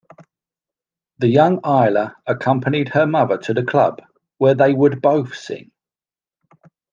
The young Isla accompanied her mother to the club where they would both sing.